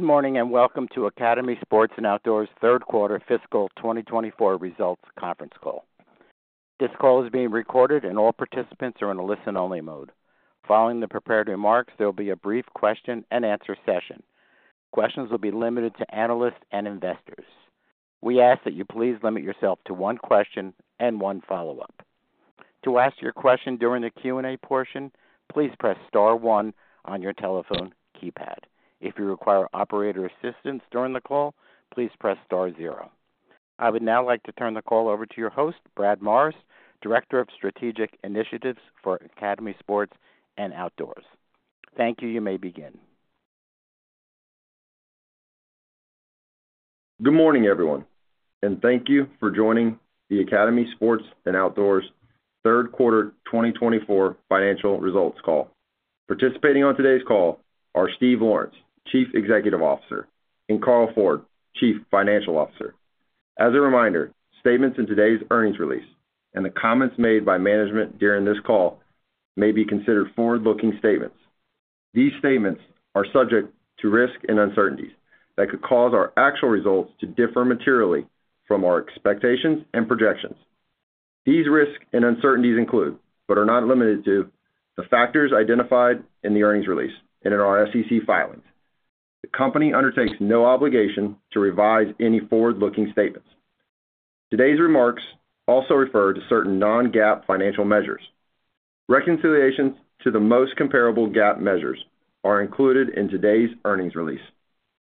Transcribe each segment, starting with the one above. Good morning and welcome to Academy Sports & Outdoors Q3 FY 2024 Results Conference Call. This call is being recorded and all participants are in a listen-only mode. Following the prepared remarks, there will be a brief Q&A session. Questions will be limited to analysts and investors. We ask that you please limit yourself to one question and one follow-up. To ask your question during the Q&A portion, please press star one on your telephone keypad. If you require operator assistance during the call, please press star zero. I would now like to turn the call over to your host, Brad Morris, Director of Strategic Initiatives for Academy Sports & Outdoors. Thank you. You may begin. Good morning, everyone, and thank you for joining the Academy Sports & Outdoors Q3 2024 Financial Results Call. Participating on today's call are Steve Lawrence, Chief Executive Officer, and Carl Ford, Chief Financial Officer. As a reminder, statements in today's earnings release and the comments made by management during this call may be considered forward-looking statements. These statements are subject to risks and uncertainties that could cause our actual results to differ materially from our expectations and projections. These risks and uncertainties include, but are not limited to, the factors identified in the earnings release and in our SEC filings. The company undertakes no obligation to revise any forward-looking statements. Today's remarks also refer to certain non-GAAP financial measures. Reconciliations to the most comparable GAAP measures are included in today's earnings release.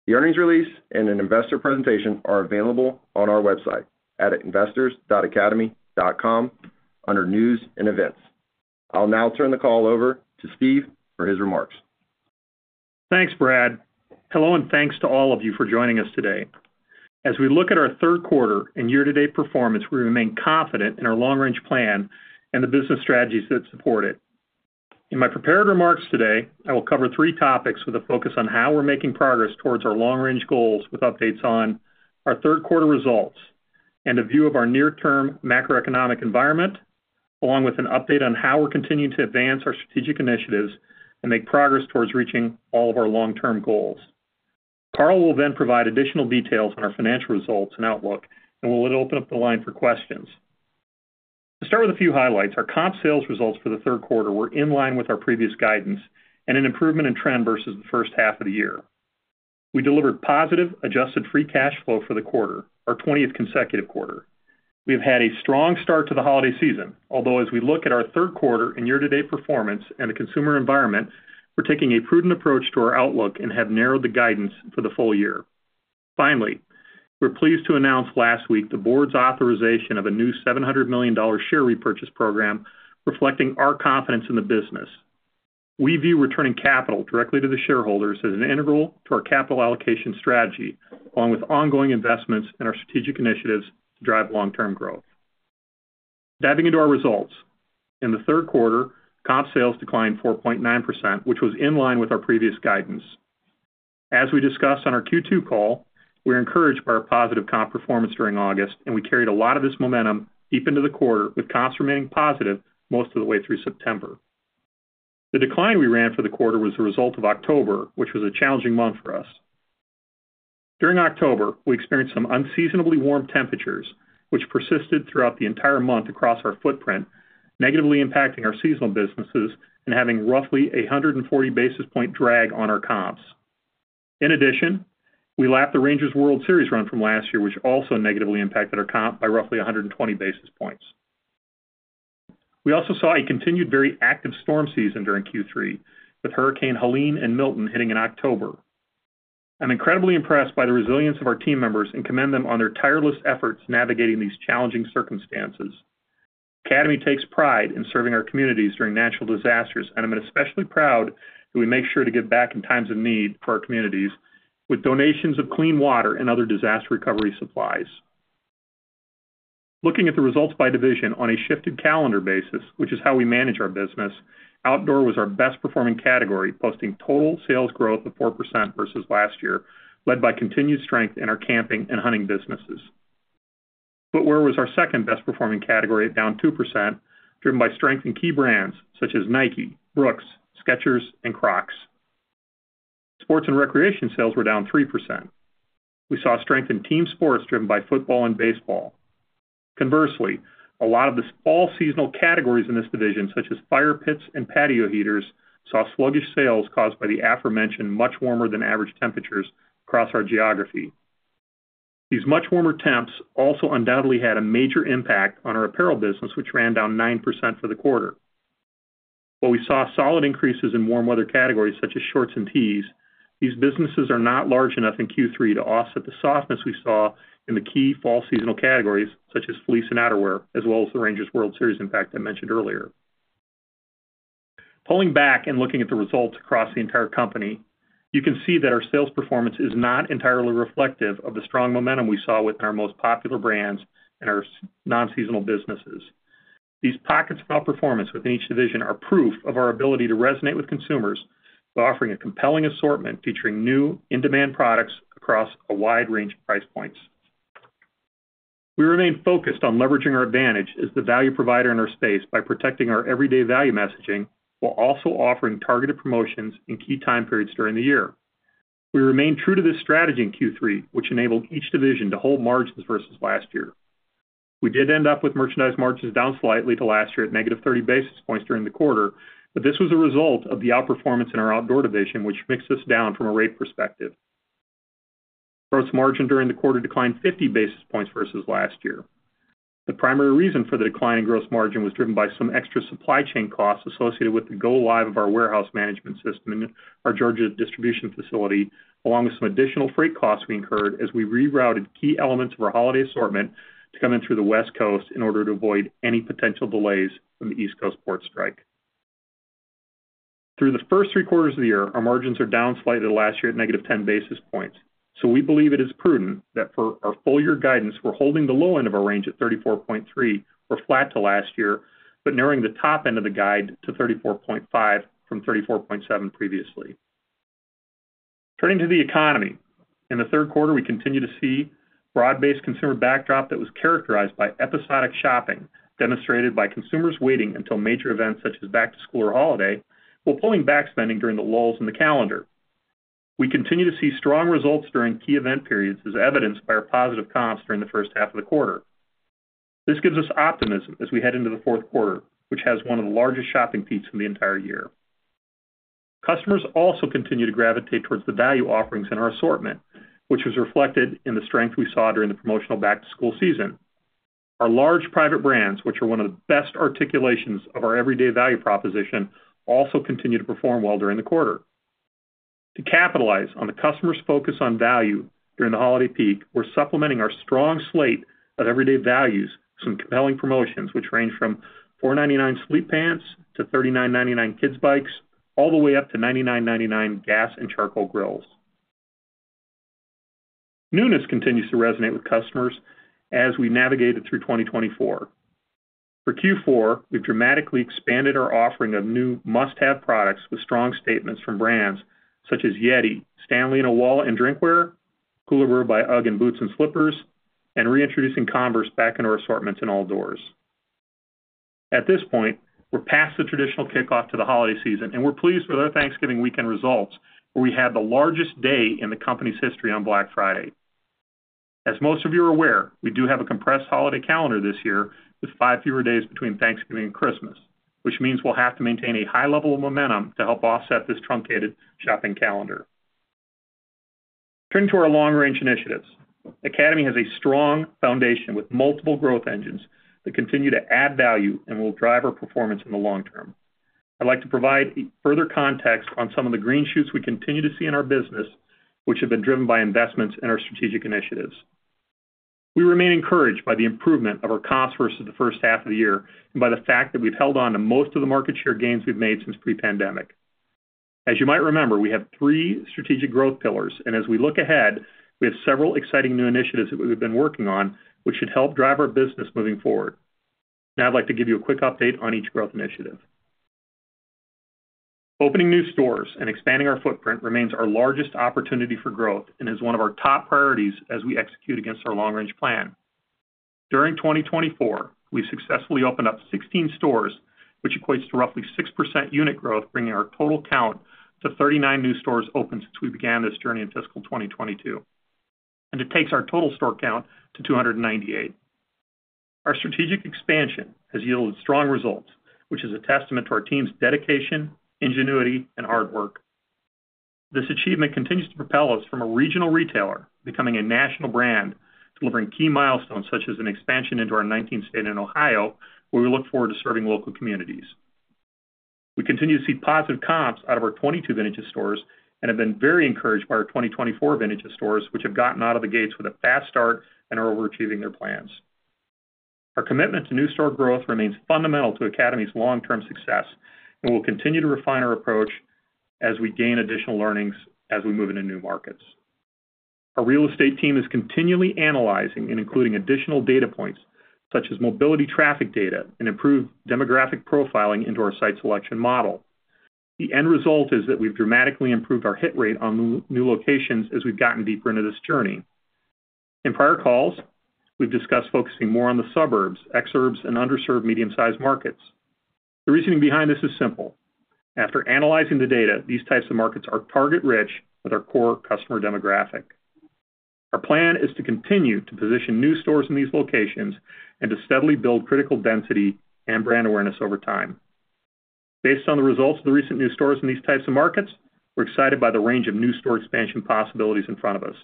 The earnings release and an investor presentation are available on our website at investors.academy.com under News and Events. I'll now turn the call over to Steve for his remarks. Thanks, Brad. Hello, and thanks to all of you for joining us today. As we look at our Q3 and year-to-date performance, we remain confident in our long-range plan and the business strategies that support it. In my prepared remarks today, I will cover three topics with a focus on how we're making progress towards our long-range goals with updates on our Q3 results and a view of our near-term macroeconomic environment, along with an update on how we're continuing to advance our strategic initiatives and make progress towards reaching all of our long-term goals. Carl will then provide additional details on our financial results and outlook, and we'll open up the line for questions. To start with a few highlights, our comp sales results for the Q3 were in line with our previous guidance and an improvement in trend versus the first half of the year. We delivered positive adjusted free cash flow for the quarter, our 20th consecutive quarter. We have had a strong start to the holiday season, although as we look at our Q3 and year-to-date performance and the consumer environment, we're taking a prudent approach to our outlook and have narrowed the guidance for the full year. Finally, we're pleased to announce last week the board's authorization of a new $700 million share repurchase program reflecting our confidence in the business. We view returning capital directly to the shareholders as an integral to our capital allocation strategy, along with ongoing investments in our strategic initiatives to drive long-term growth. Diving into our results, in the Q3, comp sales declined 4.9%, which was in line with our previous guidance. As we discussed on our Q2 call, we were encouraged by our positive comp performance during August, and we carried a lot of this momentum deep into the quarter with comps remaining positive most of the way through September. The decline we ran for the quarter was the result of October, which was a challenging month for us. During October, we experienced some unseasonably warm temperatures, which persisted throughout the entire month across our footprint, negatively impacting our seasonal businesses and having roughly a 140 basis point drag on our comps. In addition, we lapped the Rangers World Series run from last year, which also negatively impacted our comp by roughly 120 basis points. We also saw a continued very active storm season during Q3, with Hurricane Helene and Milton hitting in October. I'm incredibly impressed by the resilience of our team members and commend them on their tireless efforts navigating these challenging circumstances. Academy takes pride in serving our communities during natural disasters, and I'm especially proud that we make sure to give back in times of need for our communities with donations of clean water and other disaster recovery supplies. Looking at the results by division on a shifted calendar basis, which is how we manage our business, outdoor was our best-performing category, posting total sales growth of 4% versus last year, led by continued strength in our camping and hunting businesses. Footwear was our second best-performing category, down 2%, driven by strength in key brands such as Nike, Brooks, Skechers, and Crocs. Sports and recreation sales were down 3%. We saw strength in team sports driven by football and baseball. Conversely, a lot of the all-seasonal categories in this division, such as fire pits and patio heaters, saw sluggish sales caused by the aforementioned much warmer-than-average temperatures across our geography. These much warmer temps also undoubtedly had a major impact on our apparel business, which ran down 9% for the quarter. While we saw solid increases in warm weather categories such as shorts and tees, these businesses are not large enough in Q3 to offset the softness we saw in the key fall seasonal categories such as fleece and outerwear, as well as the Rangers World Series, in fact, I mentioned earlier. Pulling back and looking at the results across the entire company, you can see that our sales performance is not entirely reflective of the strong momentum we saw with our most popular brands and our non-seasonal businesses. These pockets of outperformance within each division are proof of our ability to resonate with consumers by offering a compelling assortment featuring new in-demand products across a wide range of price points. We remain focused on leveraging our advantage as the value provider in our space by protecting our everyday value messaging while also offering targeted promotions in key time periods during the year. We remain true to this strategy in Q3, which enabled each division to hold margins versus last year. We did end up with merchandise margins down slightly to last year at negative 30 basis points during the quarter, but this was a result of the outperformance in our outdoor division, which mixed us down from a rate perspective. Gross margin during the quarter declined 50 basis points versus last year. The primary reason for the decline in gross margin was driven by some extra supply chain costs associated with the go-live of our warehouse management system in our Georgia distribution facility, along with some additional freight costs we incurred as we rerouted key elements of our holiday assortment to come in through the West Coast in order to avoid any potential delays from the East Coast port strike. Through the first three quarters of the year, our margins are down slightly to last year at negative 10 basis points, so we believe it is prudent that for our full-year guidance, we're holding the low end of our range at 34.3, we're flat to last year, but narrowing the top end of the guide to 34.5 from 34.7 previously. Turning to the economy, in the Q3, we continue to see broad-based consumer backdrop that was characterized by episodic shopping demonstrated by consumers waiting until major events such as back-to-school or holiday, while pulling back spending during the lulls in the calendar. We continue to see strong results during key event periods as evidenced by our positive comps during the first half of the quarter. This gives us optimism as we head into the Q4, which has one of the largest shopping peaks in the entire year. Customers also continue to gravitate towards the value offerings in our assortment, which was reflected in the strength we saw during the promotional back-to-school season. Our large private brands, which are one of the best articulations of our everyday value proposition, also continue to perform well during the quarter. To capitalize on the customer's focus on value during the holiday peak, we're supplementing our strong slate of everyday values with some compelling promotions, which range from $4.99 sleep pants to $39.99 kids' bikes, all the way up to $99.99 gas and charcoal grills. Newness continues to resonate with customers as we navigated through 2024. For Q4, we've dramatically expanded our offering of new must-have products with strong statements from brands such as Yeti, Stanley in apparel and drinkware, Koolaburra by UGG in boots and slippers, and reintroducing Converse back in our assortments and outdoors. At this point, we're past the traditional kickoff to the holiday season, and we're pleased with our Thanksgiving weekend results, where we had the largest day in the company's history on Black Friday. As most of you are aware, we do have a compressed holiday calendar this year with five fewer days between Thanksgiving and Christmas, which means we'll have to maintain a high level of momentum to help offset this truncated shopping calendar. Turning to our long-range initiatives, Academy has a strong foundation with multiple growth engines that continue to add value and will drive our performance in the long term. I'd like to provide further context on some of the green shoots we continue to see in our business, which have been driven by investments in our strategic initiatives. We remain encouraged by the improvement of our comps versus the first half of the year and by the fact that we've held on to most of the market share gains we've made since pre-pandemic. As you might remember, we have three strategic growth pillars, and as we look ahead, we have several exciting new initiatives that we've been working on, which should help drive our business moving forward. Now, I'd like to give you a quick update on each growth initiative. Opening new stores and expanding our footprint remains our largest opportunity for growth and is one of our top priorities as we execute against our long-range plan. During 2024, we've successfully opened up 16 stores, which equates to roughly 6% unit growth, bringing our total count to 39 new stores open since we began this journey in FY 2022. It takes our total store count to 298. Our strategic expansion has yielded strong results, which is a testament to our team's dedication, ingenuity, and hard work. This achievement continues to propel us from a regional retailer becoming a national brand, delivering key milestones such as an expansion into our 19th state in Ohio, where we look forward to serving local communities. We continue to see positive comps out of our 22 vintage stores and have been very encouraged by our 2024 vintage stores, which have gotten out of the gates with a fast start and are overachieving their plans. Our commitment to new store growth remains fundamental to Academy's long-term success, and we'll continue to refine our approach as we gain additional learnings as we move into new markets. Our real estate team is continually analyzing and including additional data points such as mobility traffic data and improved demographic profiling into our site selection model. The end result is that we've dramatically improved our hit rate on new locations as we've gotten deeper into this journey. In prior calls, we've discussed focusing more on the suburbs, exurbs, and underserved medium-sized markets. The reasoning behind this is simple. After analyzing the data, these types of markets are target-rich with our core customer demographic. Our plan is to continue to position new stores in these locations and to steadily build critical density and brand awareness over time. Based on the results of the recent new stores in these types of markets, we're excited by the range of new store expansion possibilities in front of us.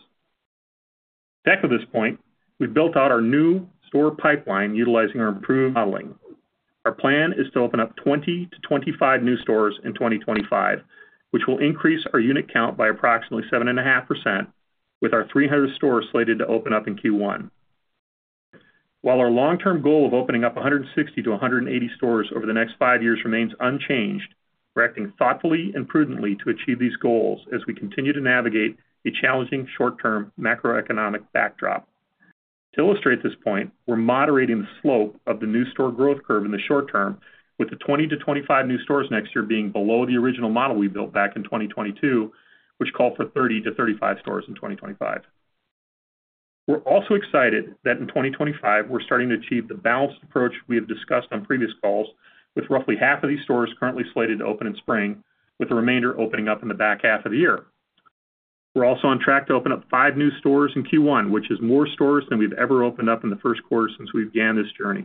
Back to this point, we've built out our new store pipeline utilizing our improved modeling. Our plan is to open up 20-25 new stores in 2025, which will increase our unit count by approximately 7.5% with our 300 stores slated to open up in Q1. While our long-term goal of opening up 160 to 180 stores over the next five years remains unchanged, we're acting thoughtfully and prudently to achieve these goals as we continue to navigate a challenging short-term macroeconomic backdrop. To illustrate this point, we're moderating the slope of the new store growth curve in the short term, with the 20 to 25 new stores next year being below the original model we built back in 2022, which called for 30 to 35 stores in 2025. We're also excited that in 2025, we're starting to achieve the balanced approach we have discussed on previous calls, with roughly half of these stores currently slated to open in spring, with the remainder opening up in the back half of the year. We're also on track to open up five new stores in Q1, which is more stores than we've ever opened up in the Q1 since we began this journey.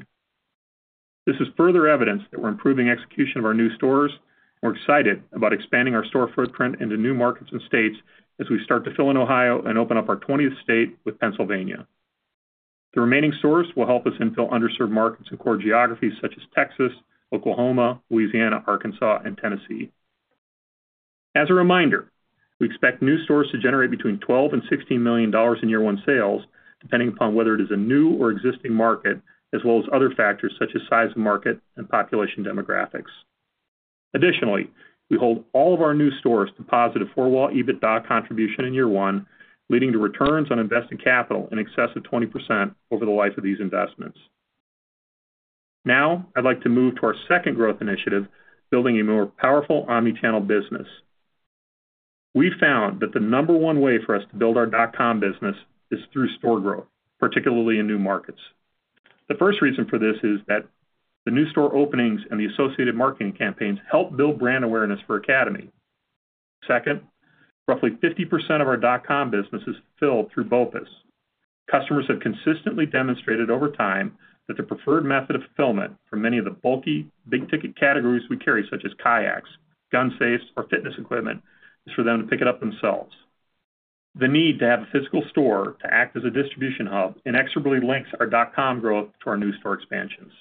This is further evidence that we're improving execution of our new stores, and we're excited about expanding our store footprint into new markets and states as we start to fill in Ohio and open up our 20th state with Pennsylvania. The remaining stores will help us infill underserved markets in core geographies such as Texas, Oklahoma, Louisiana, Arkansas, and Tennessee. As a reminder, we expect new stores to generate between $12 and $16 million in year-one sales, depending upon whether it is a new or existing market, as well as other factors such as size of market and population demographics. Additionally, we hold all of our new stores to positive four-wall EBITDA contribution in year one, leading to returns on invested capital in excess of 20% over the life of these investments. Now, I'd like to move to our second growth initiative, building a more powerful omnichannel business. We found that the number one way for us to build our dot-com business is through store growth, particularly in new markets. The first reason for this is that the new store openings and the associated marketing campaigns help build brand awareness for Academy. Second, roughly 50% of our dot-com business is fulfilled through BOPUS. Customers have consistently demonstrated over time that the preferred method of fulfillment for many of the bulky, big-ticket categories we carry, such as kayaks, gun safes, or fitness equipment, is for them to pick it up themselves. The need to have a physical store to act as a distribution hub inexorably links our dot-com growth to our new store expansions.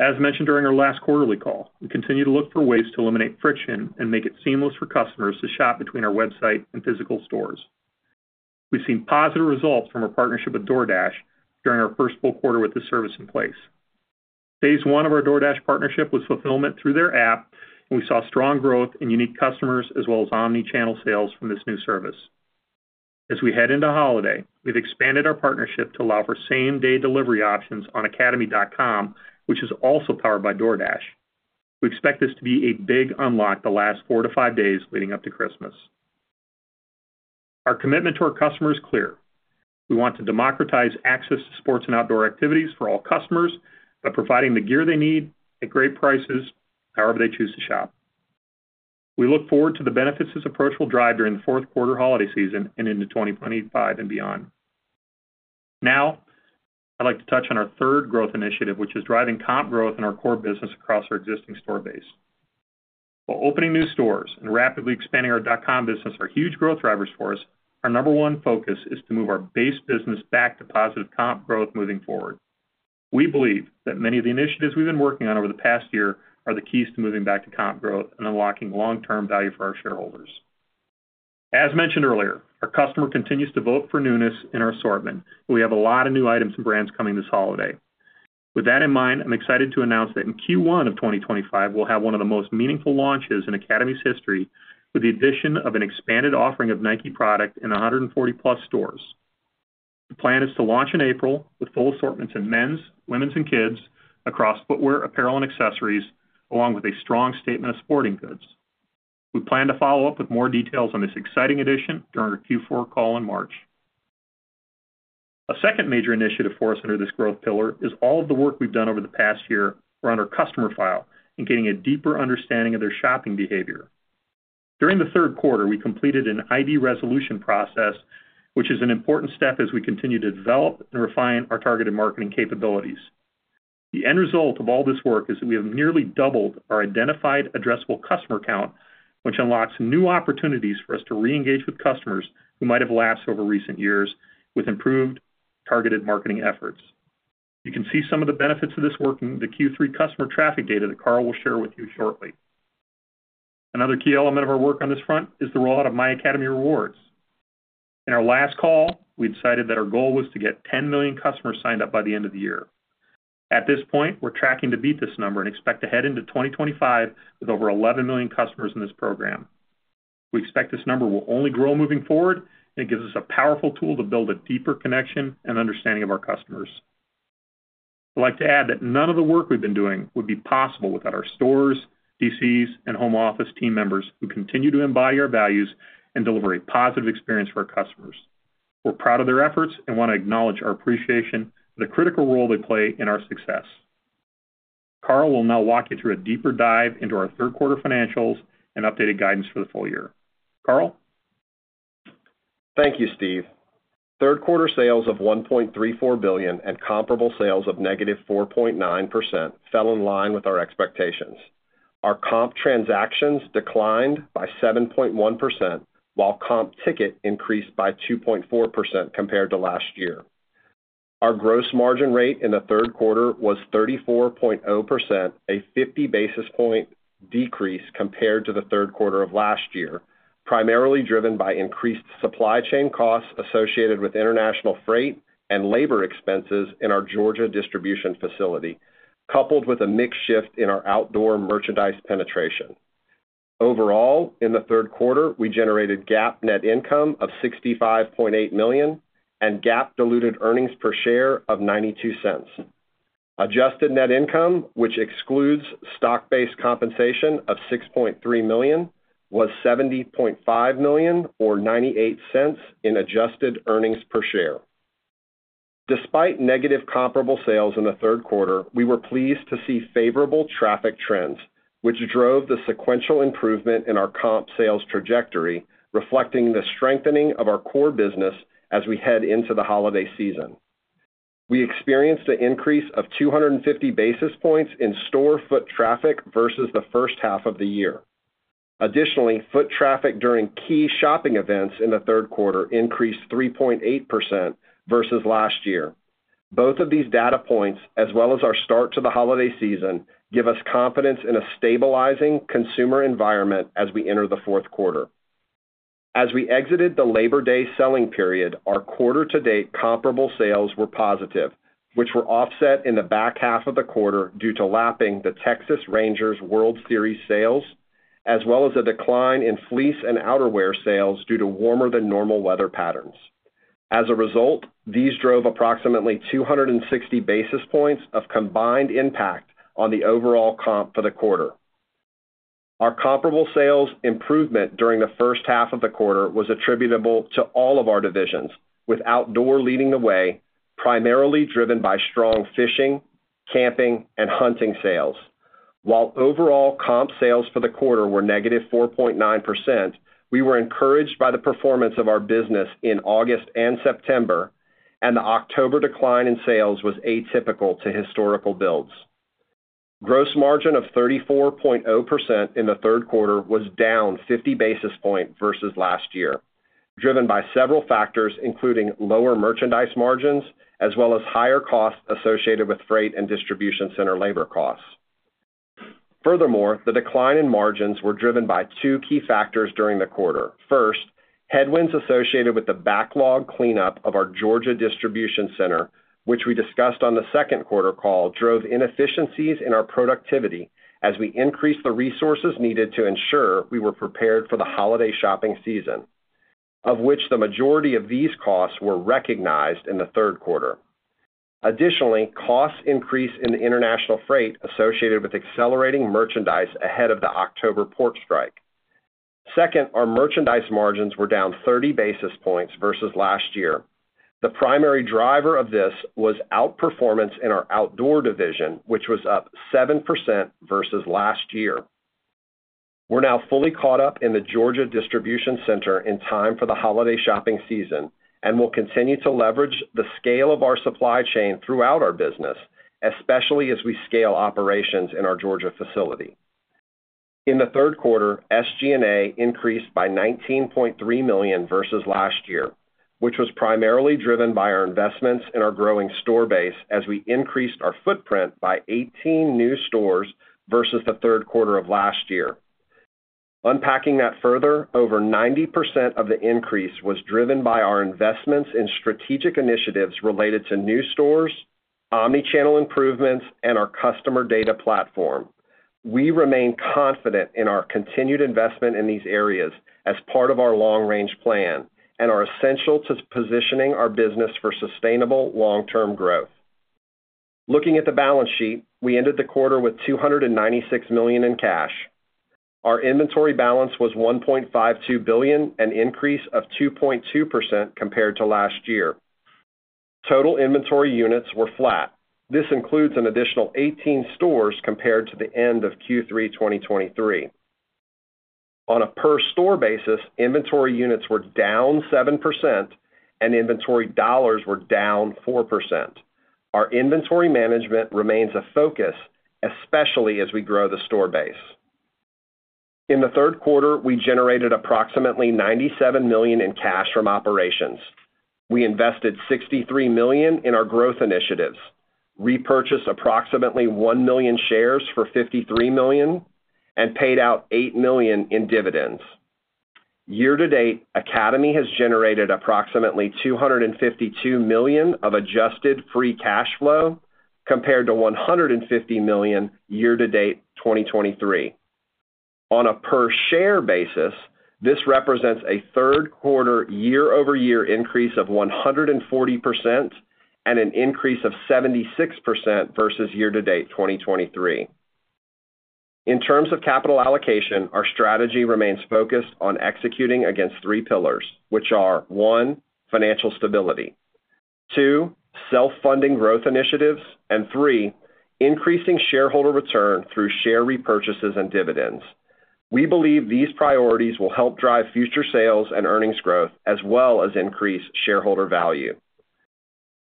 As mentioned during our last quarterly call, we continue to look for ways to eliminate friction and make it seamless for customers to shop between our website and physical stores. We've seen positive results from our partnership with DoorDash during our first full quarter with this service in place. Phase one of our DoorDash partnership was fulfillment through their app, and we saw strong growth in unique customers as well as omnichannel sales from this new service. As we head into holiday, we've expanded our partnership to allow for same-day delivery options on Academy.com, which is also powered by DoorDash. We expect this to be a big unlock the last four to five days leading up to Christmas. Our commitment to our customers is clear. We want to democratize access to sports and outdoor activities for all customers by providing the gear they need at great prices, however they choose to shop. We look forward to the benefits this approach will drive during the Q4 holiday season and into 2025 and beyond. Now, I'd like to touch on our third growth initiative, which is driving comp growth in our core business across our existing store base. While opening new stores and rapidly expanding our dot-com business are huge growth drivers for us, our number one focus is to move our base business back to positive comp growth moving forward. We believe that many of the initiatives we've been working on over the past year are the keys to moving back to comp growth and unlocking long-term value for our shareholders. As mentioned earlier, our customer continues to vote for newness in our assortment, and we have a lot of new items and brands coming this holiday. With that in mind, I'm excited to announce that in Q1 of 2025, we'll have one of the most meaningful launches in Academy's history with the addition of an expanded offering of Nike product in 140-plus stores. The plan is to launch in April with full assortments in men's, women's, and kids across footwear, apparel, and accessories, along with a strong statement of sporting goods. We plan to follow up with more details on this exciting addition during our Q4 call in March. A second major initiative for us under this growth pillar is all of the work we've done over the past year around our customer file and getting a deeper understanding of their shopping behavior. During the Q3, we completed an ID resolution process, which is an important step as we continue to develop and refine our targeted marketing capabilities. The end result of all this work is that we have nearly doubled our identified addressable customer count, which unlocks new opportunities for us to re-engage with customers who might have lapsed over recent years with improved targeted marketing efforts. You can see some of the benefits of this work in the Q3 customer traffic data that Carl will share with you shortly. Another key element of our work on this front is the rollout of My Academy Rewards. In our last call, we decided that our goal was to get 10 million customers signed up by the end of the year. At this point, we're tracking to beat this number and expect to head into 2025 with over 11 million customers in this program. We expect this number will only grow moving forward, and it gives us a powerful tool to build a deeper connection and understanding of our customers. I'd like to add that none of the work we've been doing would be possible without our stores, DCs, and home office team members who continue to embody our values and deliver a positive experience for our customers. We're proud of their efforts and want to acknowledge our appreciation for the critical role they play in our success. Carl will now walk you through a deeper dive into our Q3 financials and updated guidance for the full year. Carl? Thank you, Steve. Q3 sales of $1.34 billion and comparable sales of -4.9% fell in line with our expectations. Our comp transactions declined by 7.1%, while comp ticket increased by 2.4% compared to last year. Our gross margin rate in the Q3 was 34.0%, a 50 basis point decrease compared to the Q3 of last year, primarily driven by increased supply chain costs associated with international freight and labor expenses in our Georgia distribution facility, coupled with a mixed shift in our outdoor merchandise penetration. Overall, in the Q3, we generated GAAP net income of $65.8 million and GAAP diluted earnings per share of $0.92. Adjusted net income, which excludes stock-based compensation of $6.3 million, was $70.5 million or $0.98 in adjusted earnings per share. Despite negative comparable sales in the Q3, we were pleased to see favorable traffic trends, which drove the sequential improvement in our comp sales trajectory, reflecting the strengthening of our core business as we head into the holiday season. We experienced an increase of 250 basis points in store foot traffic versus the first half of the year. Additionally, foot traffic during key shopping events in the Q3 increased 3.8% versus last year. Both of these data points, as well as our start to the holiday season, give us confidence in a stabilizing consumer environment as we enter the Q4. As we exited the Labor Day selling period, our quarter-to-date comparable sales were positive, which were offset in the back half of the quarter due to lapping the Texas Rangers World Series sales, as well as a decline in fleece and outerwear sales due to warmer-than-normal weather patterns. As a result, these drove approximately 260 basis points of combined impact on the overall comp for the quarter. Our comparable sales improvement during the first half of the quarter was attributable to all of our divisions, with outdoor leading the way, primarily driven by strong fishing, camping, and hunting sales. While overall comp sales for the quarter were -4.9%, we were encouraged by the performance of our business in August and September, and the October decline in sales was atypical to historical builds. Gross margin of 34.0% in the Q3 was down 50 basis points versus last year, driven by several factors, including lower merchandise margins as well as higher costs associated with freight and distribution center labor costs. Furthermore, the decline in margins was driven by two key factors during the quarter. First, headwinds associated with the backlog cleanup of our Georgia distribution center, which we discussed on the Q2 call, drove inefficiencies in our productivity as we increased the resources needed to ensure we were prepared for the holiday shopping season, of which the majority of these costs were recognized in the Q3. Additionally, costs increased in the international freight associated with accelerating merchandise ahead of the October port strike. Second, our merchandise margins were down 30 basis points versus last year. The primary driver of this was outperformance in our outdoor division, which was up 7% versus last year. We're now fully caught up in the Georgia distribution center in time for the holiday shopping season and will continue to leverage the scale of our supply chain throughout our business, especially as we scale operations in our Georgia facility. In the Q3, SG&A increased by $19.3 million versus last year, which was primarily driven by our investments in our growing store base as we increased our footprint by 18 new stores versus the Q3 of last year. Unpacking that further, over 90% of the increase was driven by our investments in strategic initiatives related to new stores, omnichannel improvements, and our customer data platform. We remain confident in our continued investment in these areas as part of our long-range plan and are essential to positioning our business for sustainable long-term growth. Looking at the balance sheet, we ended the quarter with $296 million in cash. Our inventory balance was $1.52 billion, an increase of 2.2% compared to last year. Total inventory units were flat. This includes an additional 18 stores compared to the end of Q3 2023. On a per-store basis, inventory units were down 7%, and inventory dollars were down 4%. Our inventory management remains a focus, especially as we grow the store base. In the Q3, we generated approximately $97 million in cash from operations. We invested $63 million in our growth initiatives, repurchased approximately 1 million shares for $53 million, and paid out $8 million in dividends. Year-to-date, Academy has generated approximately $252 million of adjusted free cash flow compared to $150 million year-to-date 2023. On a per-share basis, this represents a third-quarter year-over-year increase of 140% and an increase of 76% versus year-to-date 2023. In terms of capital allocation, our strategy remains focused on executing against three pillars, which are: one, financial stability, two, self-funding growth initiatives, and three, increasing shareholder return through share repurchases and dividends. We believe these priorities will help drive future sales and earnings growth as well as increase shareholder value.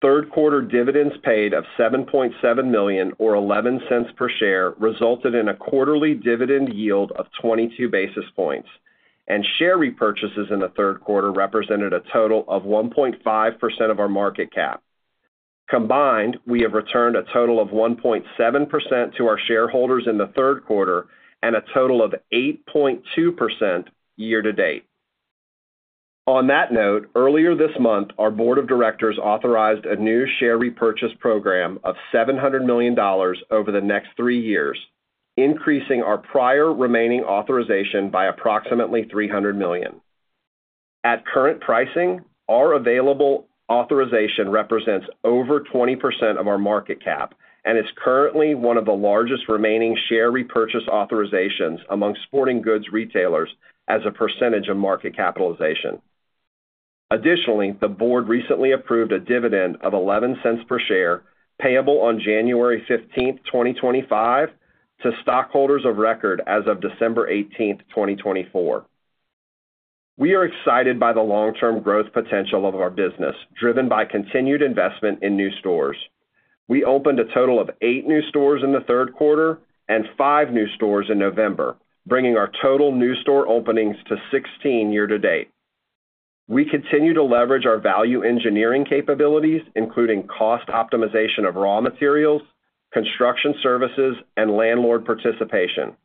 Third-quarter dividends paid of $7.7 million, or $0.11 per share, resulted in a quarterly dividend yield of 22 basis points, and share repurchases in the Q3 represented a total of 1.5% of our market cap. Combined, we have returned a total of 1.7% to our shareholders in the Q3 and a total of 8.2% year-to-date. On that note, earlier this month, our board of directors authorized a new share repurchase program of $700 million over the next three years, increasing our prior remaining authorization by approximately $300 million. At current pricing, our available authorization represents over 20% of our market cap and is currently one of the largest remaining share repurchase authorizations among sporting goods retailers as a percentage of market capitalization. Additionally, the board recently approved a dividend of $0.11 per share payable on January 15, 2025, to stockholders of record as of December 18, 2024. We are excited by the long-term growth potential of our business, driven by continued investment in new stores. We opened a total of eight new stores in the Q3 and five new stores in November, bringing our total new store openings to 16 year-to-date. We continue to leverage our value engineering capabilities, including cost optimization of raw materials, construction services, and landlord participation.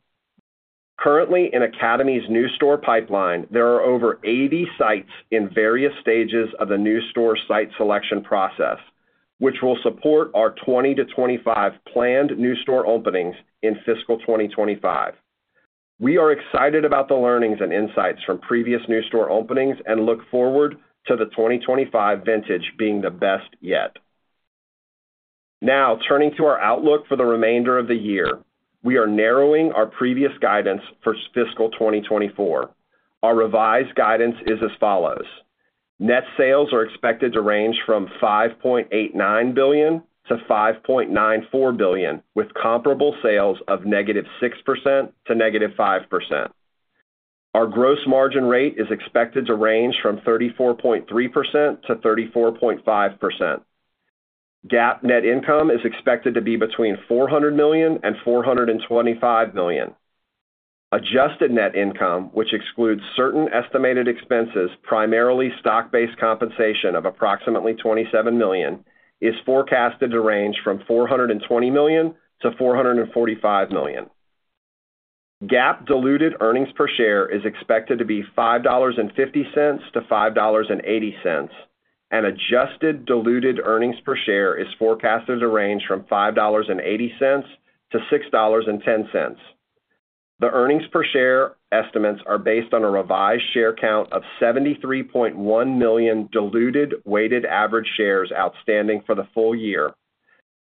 Currently, in Academy's new store pipeline, there are over 80 sites in various stages of the new store site selection process, which will support our 20-25 planned new store openings in FY 2025. We are excited about the learnings and insights from previous new store openings and look forward to the 2025 vintage being the best yet. Now, turning to our outlook for the remainder of the year, we are narrowing our previous guidance for FY 2024. Our revised guidance is as follows: net sales are expected to range $5.89 billion-$5.94 billion, with comparable sales of -6% to -5%. Our gross margin rate is expected to range 34.3%-34.5%. GAAP net income is expected to be between $400 million and $425 million. Adjusted net income, which excludes certain estimated expenses, primarily stock-based compensation of approximately $27 million, is forecasted to range $420 million-$445 million. GAAP diluted earnings per share is expected to be $5.50-$5.80, and adjusted diluted earnings per share is forecasted to range $5.80-$6.10. The earnings per share estimates are based on a revised share count of 73.1 million diluted weighted average shares outstanding for the full year.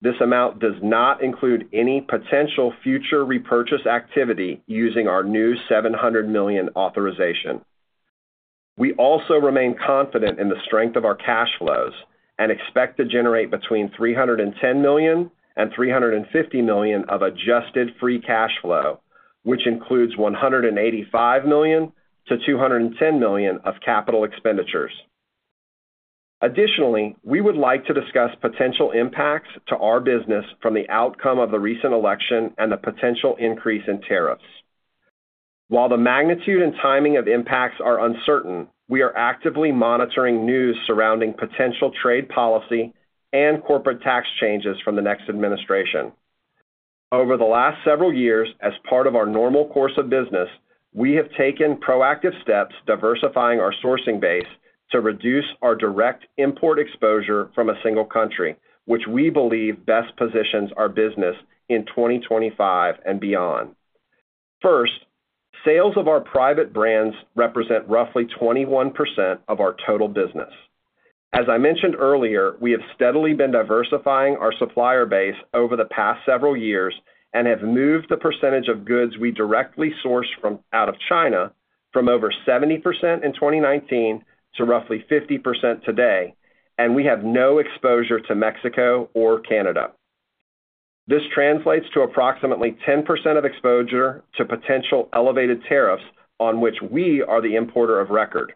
This amount does not include any potential future repurchase activity using our new $700 million authorization. We also remain confident in the strength of our cash flows and expect to generate between $310 million and $350 million of adjusted free cash flow, which includes $185 million to $210 million of capital expenditures. Additionally, we would like to discuss potential impacts to our business from the outcome of the recent election and the potential increase in tariffs. While the magnitude and timing of impacts are uncertain, we are actively monitoring news surrounding potential trade policy and corporate tax changes from the next administration. Over the last several years, as part of our normal course of business, we have taken proactive steps diversifying our sourcing base to reduce our direct import exposure from a single country, which we believe best positions our business in 2025 and beyond. First, sales of our private brands represent roughly 21% of our total business. As I mentioned earlier, we have steadily been diversifying our supplier base over the past several years and have moved the percentage of goods we directly source from out of China from over 70% in 2019 to roughly 50% today, and we have no exposure to Mexico or Canada. This translates to approximately 10% of exposure to potential elevated tariffs on which we are the importer of record.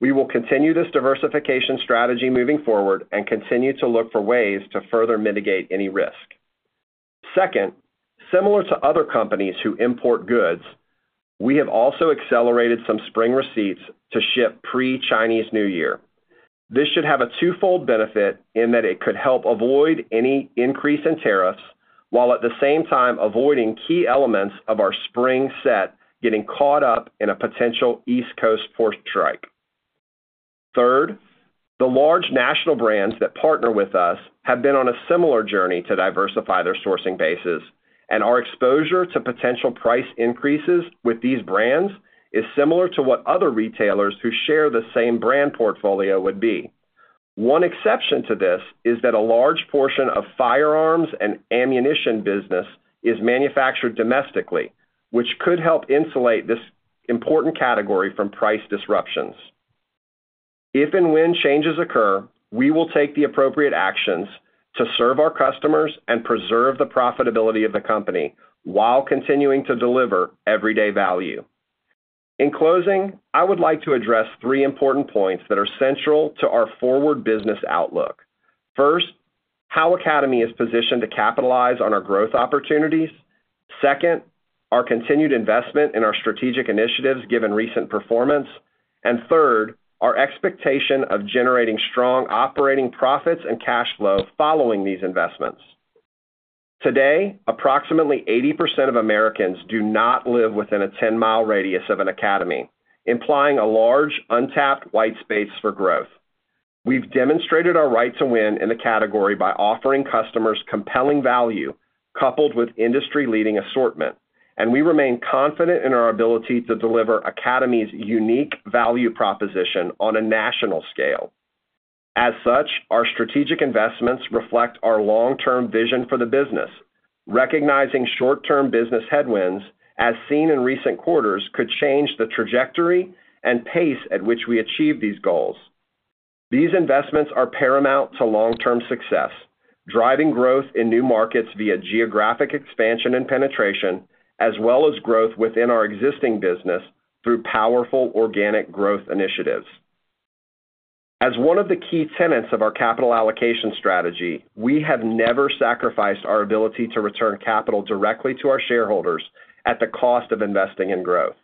We will continue this diversification strategy moving forward and continue to look for ways to further mitigate any risk. Second, similar to other companies who import goods, we have also accelerated some spring receipts to ship pre-Chinese New Year. This should have a twofold benefit in that it could help avoid any increase in tariffs while at the same time avoiding key elements of our spring set getting caught up in a potential East Coast port strike. Third, the large national brands that partner with us have been on a similar journey to diversify their sourcing bases, and our exposure to potential price increases with these brands is similar to what other retailers who share the same brand portfolio would be. One exception to this is that a large portion of firearms and ammunition business is manufactured domestically, which could help insulate this important category from price disruptions. If and when changes occur, we will take the appropriate actions to serve our customers and preserve the profitability of the company while continuing to deliver everyday value. In closing, I would like to address three important points that are central to our forward business outlook. First, how Academy is positioned to capitalize on our growth opportunities. Second, our continued investment in our strategic initiatives given recent performance. And third, our expectation of generating strong operating profits and cash flow following these investments. Today, approximately 80% of Americans do not live within a 10-mile radius of an Academy, implying a large, untapped white space for growth. We've demonstrated our right to win in the category by offering customers compelling value coupled with industry-leading assortment, and we remain confident in our ability to deliver Academy's unique value proposition on a national scale. As such, our strategic investments reflect our long-term vision for the business, recognizing short-term business headwinds as seen in recent quarters could change the trajectory and pace at which we achieve these goals. These investments are paramount to long-term success, driving growth in new markets via geographic expansion and penetration, as well as growth within our existing business through powerful organic growth initiatives. As one of the key tenets of our capital allocation strategy, we have never sacrificed our ability to return capital directly to our shareholders at the cost of investing in growth.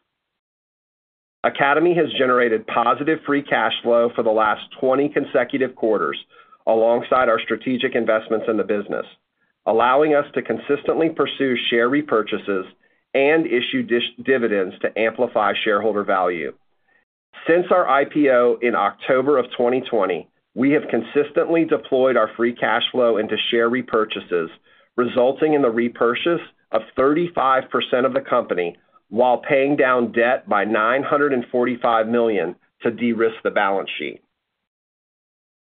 Academy has generated positive free cash flow for the last 20 consecutive quarters alongside our strategic investments in the business, allowing us to consistently pursue share repurchases and issue dividends to amplify shareholder value. Since our IPO in October of 2020, we have consistently deployed our free cash flow into share repurchases, resulting in the repurchase of 35% of the company while paying down debt by $945 million to de-risk the balance sheet.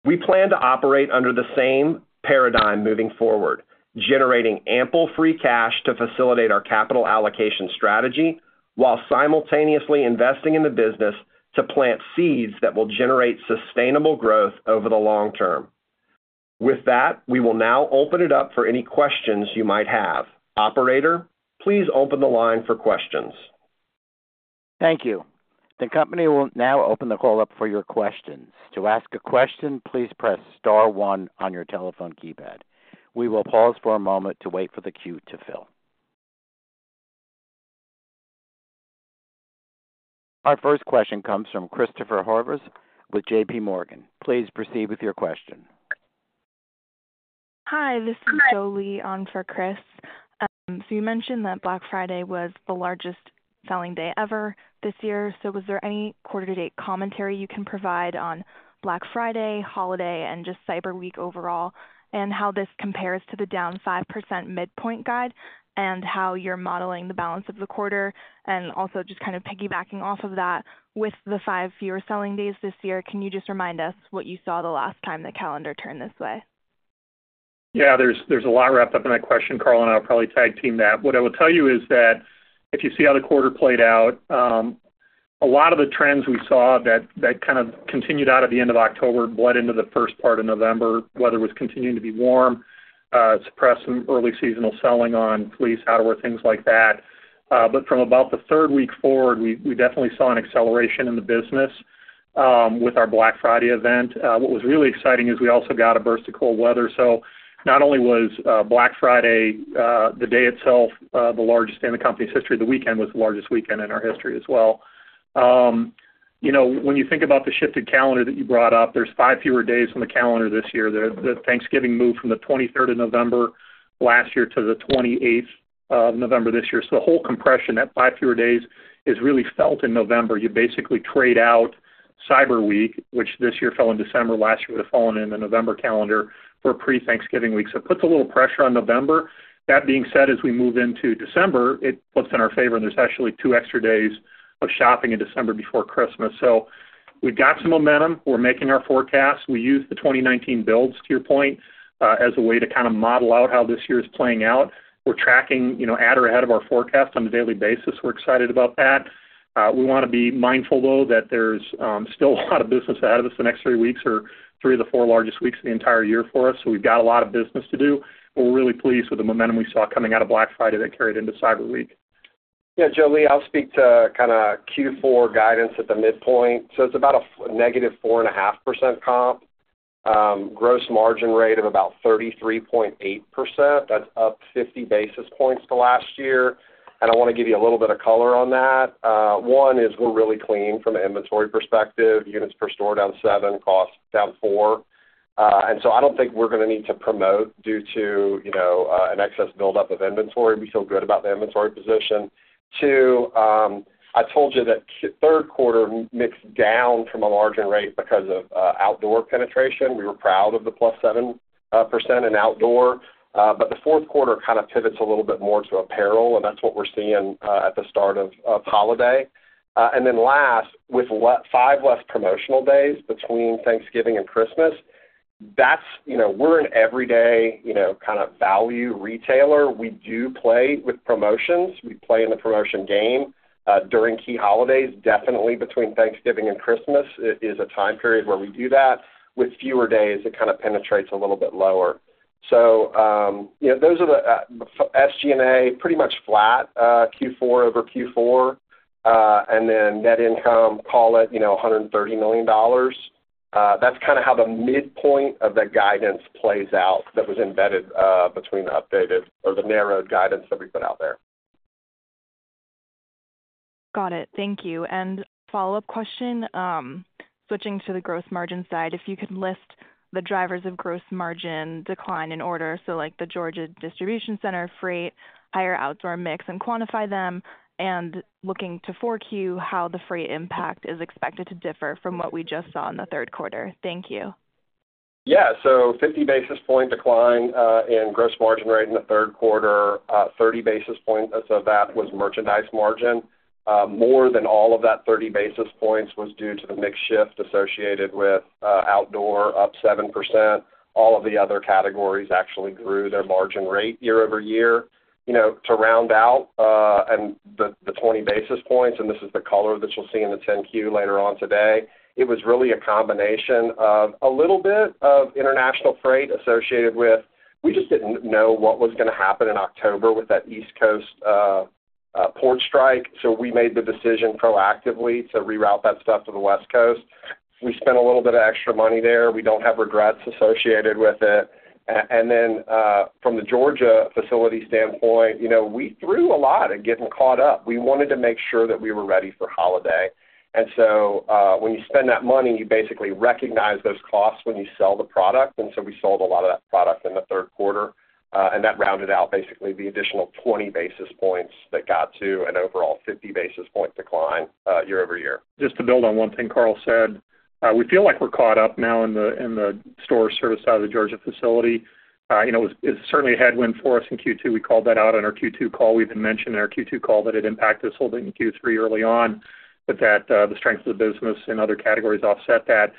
We plan to operate under the same paradigm moving forward, generating ample free cash to facilitate our capital allocation strategy while simultaneously investing in the business to plant seeds that will generate sustainable growth over the long term. With that, we will now open it up for any questions you might have. Operator, please open the line for questions. Thank you. The company will now open the call up for your questions. To ask a question, please press star one on your telephone keypad. We will pause for a moment to wait for the queue to fill. Our first question comes from Christopher Horvers with J.P. Morgan. Please proceed with your question. Hi, this is Jolie on for Chris. So you mentioned that Black Friday was the largest selling day ever this year. So was there any quarter-to-date commentary you can provide on Black Friday holiday and just Cyber Week overall, and how this compares to the down 5% midpoint guide, and how you're modeling the balance of the quarter, and also just kind of piggybacking off of that with the five fewer selling days this year? Can you just remind us what you saw the last time the calendar turned this way? There's a lot wrapped up in that question, Carl, and I'll probably tag team that. What I will tell you is that if you see how the quarter played out, a lot of the trends we saw that kind of continued out of the end of October bled into the first part of November. Weather was continuing to be warm, suppressed some early seasonal selling on fleece outerwear, things like that. From about the third week forward, we definitely saw an acceleration in the business with our Black Friday event. What was really exciting is we also got a burst of cool weather. So not only was Black Friday, the day itself, the largest in the company's history, the weekend was the largest weekend in our history as well. When you think about the shifted calendar that you brought up, there are five fewer days on the calendar this year. Thanksgiving moved from the 23rd of November last year to the 28th of November this year. So the whole compression, that five fewer days, is really felt in November. You basically trade out Cyber Week, which this year fell in December. Last year would have fallen in the November calendar for pre-Thanksgiving week. So it puts a little pressure on November. That being said, as we move into December, it puts in our favor and there's actually two extra days of shopping in December before Christmas. So we've got some momentum. We're making our forecasts. We used the 2019 builds, to your point, as a way to kind of model out how this year is playing out. We're tracking out ahead of our forecast on a daily basis. We're excited about that. We want to be mindful, though, that there's still a lot of business ahead of us the next three weeks or three of the four largest weeks of the entire year for us. So we've got a lot of business to do, but we're really pleased with the momentum we saw coming out of Black Friday that carried into Cyber Week. Jolie, I'll speak to kind of Q4 guidance at the midpoint. It's about a negative 4.5% comp, gross margin rate of about 33.8%. That's up 50 basis points the last year. I want to give you a little bit of color on that. One is we're really clean from an inventory perspective. Units per store down seven, costs down four. I don't think we're going to need to promote due to an excess buildup of inventory. We feel good about the inventory position. Two, I told you that Q3 mixed down from a margin rate because of outdoor penetration. We were proud of the plus 7% in outdoor. The Q4 kind of pivots a little bit more to apparel, and that's what we're seeing at the start of holiday. Last, with five less promotional days between Thanksgiving and Christmas, we're an everyday kind of value retailer. We do play with promotions. We play in the promotion game during key holidays. Definitely between Thanksgiving and Christmas is a time period where we do that. With fewer days, it kind of penetrates a little bit lower. So those are the SG&A, pretty much flat Q4 over Q4, and then net income, call it $130 million. That's kind of how the midpoint of the guidance plays out that was embedded between the updated or the narrowed guidance that we put out there. Got it. Thank you, and follow-up question, switching to the gross margin side, if you could list the drivers of gross margin decline in order. So like the Georgia Distribution Center freight, higher outdoor mix, and quantify them, and looking forward to how the freight impact is expected to differ from what we just saw in the Q3. Thank you. So 50 basis points decline in gross margin rate in the Q3, 30 basis points. So that was merchandise margin. More than all of that 30 basis points was due to the mix shift associated with outdoor, up 7%. All of the other categories actually grew their margin rate year over year. To round out, and the 20 basis points, and this is the color that you'll see in the 10-Q later on today, it was really a combination of a little bit of international freight associated with we just didn't know what was going to happen in October with that East Coast port strike. So we made the decision proactively to reroute that stuff to the West Coast. We spent a little bit of extra money there. We don't have regrets associated with it. Then from the Georgia facility standpoint, we threw a lot at getting caught up. We wanted to make sure that we were ready for holiday. And so when you spend that money, you basically recognize those costs when you sell the product. And so we sold a lot of that product in the Q3, and that rounded out basically the additional 20 basis points that got to an overall 50 basis point decline year over year. Just to build on one thing Carl said, we feel like we're caught up now in the store service side of the Georgia facility. It was certainly a headwind for us in Q2. We called that out on our Q2 call. We even mentioned in our Q2 call that it impacted us holding Q3 early on, but that the strength of the business and other categories offset that.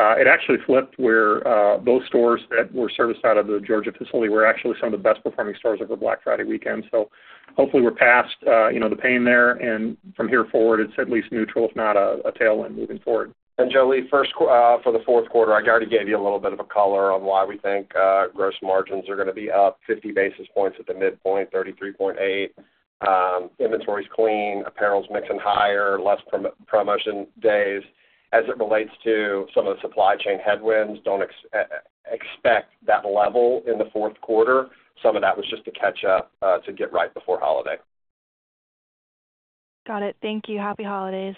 It actually flipped where those stores that were serviced out of the Georgia facility were actually some of the best performing stores over Black Friday weekend. So hopefully we're past the pain there, and from here forward, it's at least neutral, if not a tailwind moving forward. And Jolie, first for the Q4, I already gave you a little bit of a color on why we think gross margins are going to be up 50 basis points at the midpoint, 33.8. Inventory's clean, apparel's mixing higher, less promotion days as it relates to some of the supply chain headwinds. Don't expect that level in the Q4. Some of that was just to catch up to get right before holiday. Got it. Thank you. Happy holidays.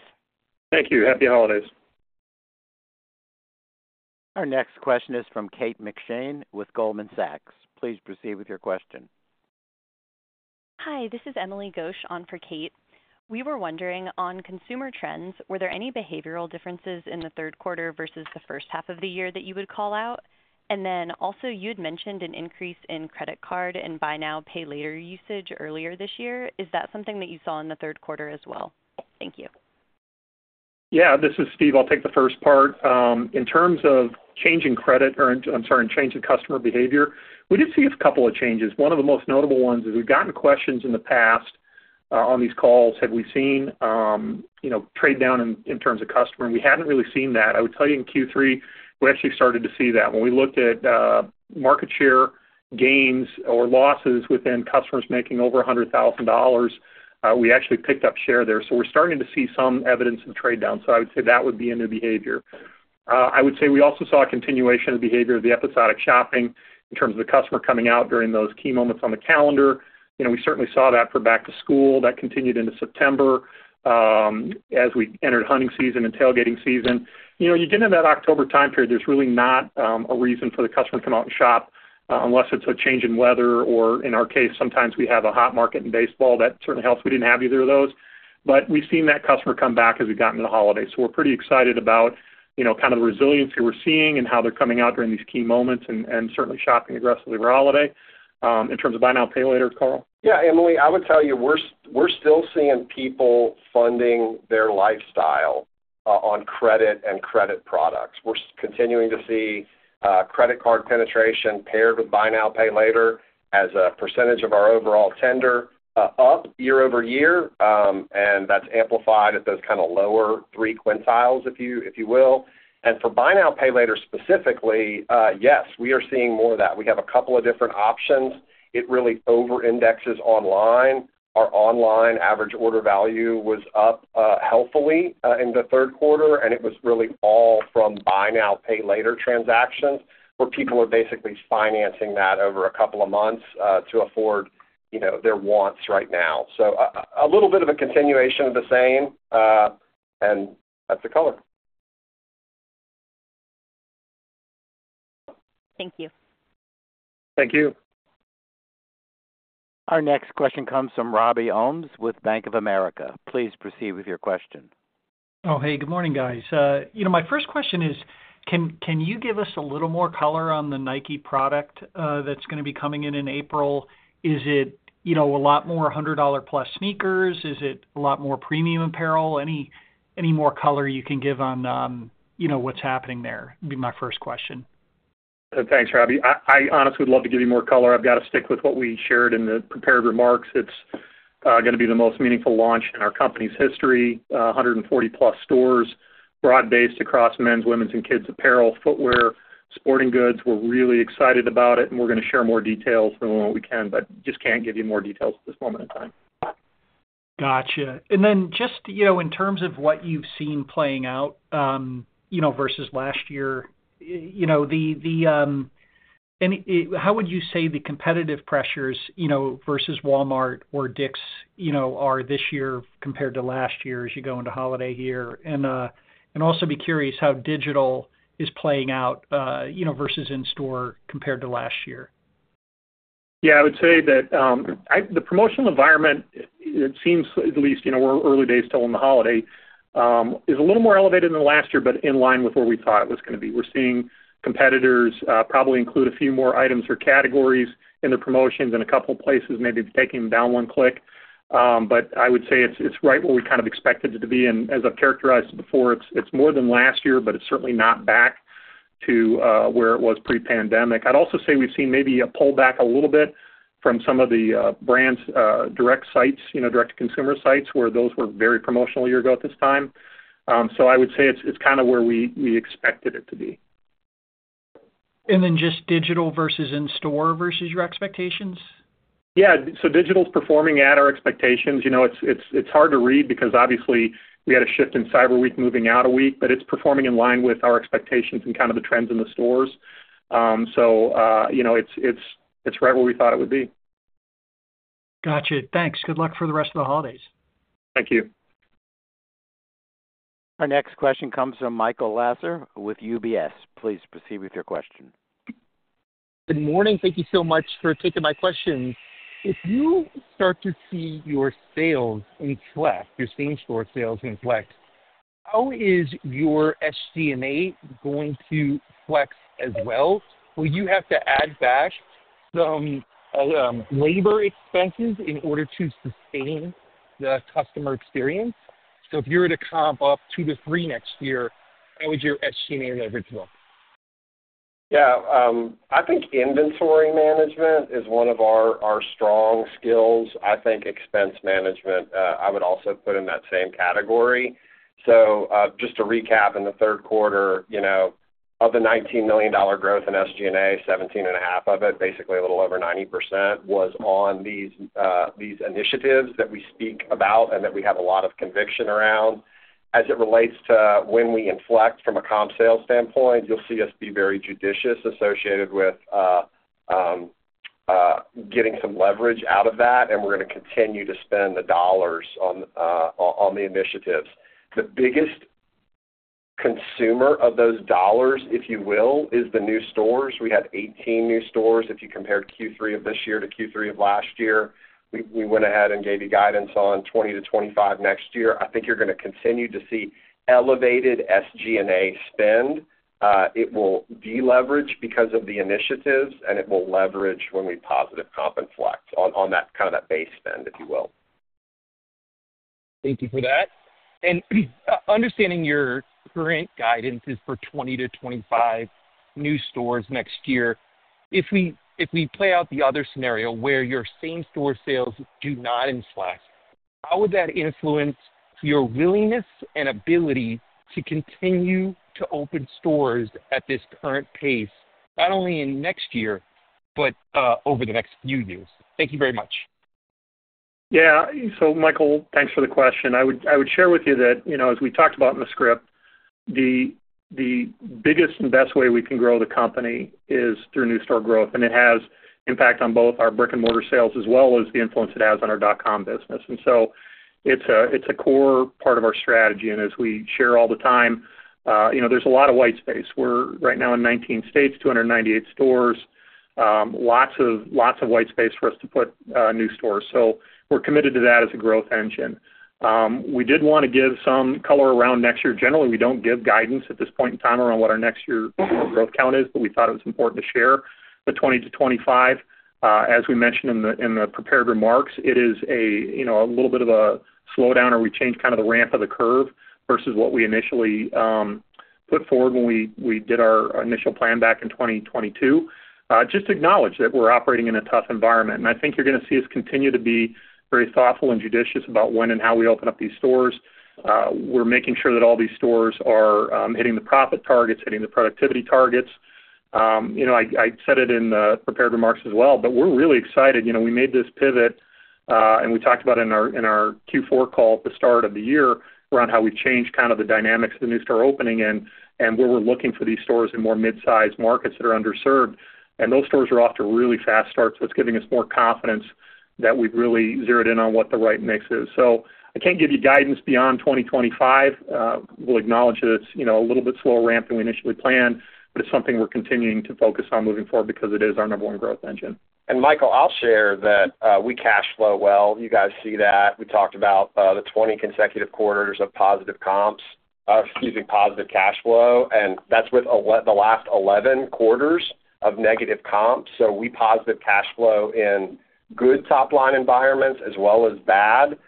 Thank you. Happy holidays. Our next question is from Kate McShane with Goldman Sachs. Please proceed with your question. Hi, this is Emily Ghosh on for Kate. We were wondering on consumer trends, were there any behavioral differences in the Q3 versus the first half of the year that you would call out? And then also you had mentioned an increase in credit card and buy now, pay later usage earlier this year. Is that something that you saw in the Q3 as well? Thank you. This is Steve. I'll take the first part. In terms of changing credit or, I'm sorry, changing customer behavior, we did see a couple of changes. One of the most notable ones is we've gotten questions in the past on these calls, have we seen trade down in terms of customer? We hadn't really seen that. I would tell you in Q3, we actually started to see that. When we looked at market share gains or losses within customers making over $100,000, we actually picked up share there, so we're starting to see some evidence of trade down, so I would say that would be a new behavior, I would say we also saw a continuation of behavior of the episodic shopping in terms of the customer coming out during those key moments on the calendar. We certainly saw that for back to school that continued into September as we entered hunting season and tailgating season. You get into that October time period, there's really not a reason for the customer to come out and shop unless it's a change in weather or, in our case, sometimes we have a hot market in baseball. That certainly helps. We didn't have either of those, but we've seen that customer come back as we've gotten into the holidays. So, we're pretty excited about kind of the resiliency we're seeing and how they're coming out during these key moments and certainly shopping aggressively over holiday. In terms of buy now, pay later, Carl? Emily, I would tell you we're still seeing people funding their lifestyle on credit and credit products. We're continuing to see credit card penetration paired with buy now, pay later as a percentage of our overall tender up year over year, and that's amplified at those kind of lower three quintiles, if you will. And for buy now, pay later specifically, yes, we are seeing more of that. We have a couple of different options. It really over-indexes online. Our online average order value was up healthily in the Q3, and it was really all from buy now, pay later transactions where people are basically financing that over a couple of months to afford their wants right now. So a little bit of a continuation of the same, and that's the color. Thank you. Thank you. Our next question comes from Robbie Ohmes with Bank of America. Please proceed with your question. Oh, hey, good morning, guys. My first question is, can you give us a little more color on the Nike product that's going to be coming in in April? Is it a lot more $100 plus sneakers? Is it a lot more premium apparel? Any more color you can give on what's happening there would be my first question. Thanks, Robbie. I honestly would love to give you more color. I've got to stick with what we shared in the prepared remarks. It's going to be the most meaningful launch in our company's history, 140-plus stores, broad-based across men's, women's, and kids' apparel, footwear, sporting goods. We're really excited about it, and we're going to share more details the moment we can, but just can't give you more details at this moment in time. Gotcha. And then just in terms of what you've seen playing out versus last year, how would you say the competitive pressures versus Walmart or Dick's are this year compared to last year as you go into holiday year? And also be curious how digital is playing out versus in store compared to last year. I would say that the promotional environment, it seems at least we're early days still in the holiday, is a little more elevated than last year, but in line with where we thought it was going to be. We're seeing competitors probably include a few more items or categories in the promotions and a couple of places maybe taking them down one click. But I would say it's right where we kind of expected it to be. And as I've characterized before, it's more than last year, but it's certainly not back to where it was pre-pandemic. I'd also say we've seen maybe a pullback a little bit from some of the brand's direct sites, direct-to-consumer sites, where those were very promotional a year ago at this time. So I would say it's kind of where we expected it to be. And then just digital versus in store versus your expectations? So digital's performing at our expectations. It's hard to read because obviously we had a shift in Cyber Week moving out a week, but it's performing in line with our expectations and kind of the trends in the stores. So it's right where we thought it would be. Gotcha. Thanks. Good luck for the rest of the holidays. Thank you. Our next question comes from Michael Lasser with UBS. Please proceed with your question. Good morning. Thank you so much for taking my question. If you start to see your sales inflect, your same store sales in flex, how is your SG&A going to flex as well? Will you have to add back some labor expenses in order to sustain the customer experience? If you were to comp up two to three next year, how would your SG&A leverage look? I think inventory management is one of our strong skills. I think expense management, I would also put in that same category. Just to recap in the Q3, of the $19 million growth in SG&A, $17.5 million of it, basically a little over 90%, was on these initiatives that we speak about and that we have a lot of conviction around. As it relates to when we inflect from a comp sales standpoint, you'll see us be very judicious associated with getting some leverage out of that, and we're going to continue to spend the dollars on the initiatives. The biggest consumer of those dollars, if you will, is the new stores. We had 18 new stores. If you compared Q3 of this year to Q3 of last year, we went ahead and gave you guidance on 20-25 next year. I think you're going to continue to see elevated SG&A spend. It will deleverage because of the initiatives, and it will leverage when we positive comp and flex on that kind of base spend, if you will. Thank you for that. Understanding your current guidance is for 20-25 new stores next year. If we play out the other scenario where your same store sales do not inflect, how would that influence your willingness and ability to continue to open stores at this current pace, not only in next year, but over the next few years? Thank you very much. So Michael, thanks for the question. I would share with you that as we talked about in the script, the biggest and best way we can grow the company is through new store growth, and it has impact on both our brick-and-mortar sales as well as the influence it has on our dot-com business. And so it's a core part of our strategy. And as we share all the time, there's a lot of white space. We're right now in 19 states, 298 stores, lots of white space for us to put new stores. So we're committed to that as a growth engine. We did want to give some color around next year. Generally, we don't give guidance at this point in time around what our next year's growth count is, but we thought it was important to share the 20-25. As we mentioned in the prepared remarks, it is a little bit of a slowdown, or we changed kind of the ramp of the curve versus what we initially put forward when we did our initial plan back in 2022. Just acknowledge that we're operating in a tough environment, and I think you're going to see us continue to be very thoughtful and judicious about when and how we open up these stores. We're making sure that all these stores are hitting the profit targets, hitting the productivity targets. I said it in the prepared remarks as well, but we're really excited. We made this pivot, and we talked about it in our Q4 call at the start of the year around how we've changed kind of the dynamics of the new store opening and where we're looking for these stores in more mid-sized markets that are underserved. And those stores are off to really fast starts, so it's giving us more confidence that we've really zeroed in on what the right mix is. So I can't give you guidance beyond 2025. We'll acknowledge that it's a little bit slower ramp than we initially planned, but it's something we're continuing to focus on moving forward because it is our number one growth engine. And Michael, I'll share that we cash flow well. You guys see that. We talked about the 20 consecutive quarters of positive comps, excuse me, positive cash flow, and that's with the last 11 quarters of negative comps. So we positive cash flow in good top-line environments as well as bad.